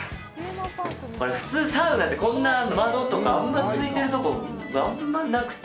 これ普通サウナってこんな窓とかついてるところ、あんまなくて。